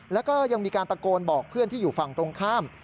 แล้วก็ยังมีการตะโกนบอกเพื่อนที่อยู่ฝั่งตรงข้าม